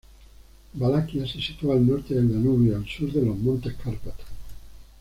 Valaquia se sitúa al norte del Danubio y al sur de los Montes Cárpatos.